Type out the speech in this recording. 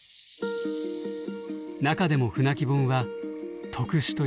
中でも「舟木本」は特殊といわれる。